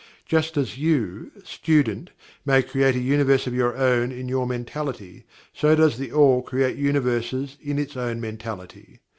Just as you, student, may create a Universe of your own in your mentality, so does THE ALL create Universes in its own Mentality.